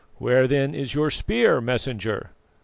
"Where then is your spear, Messenger?"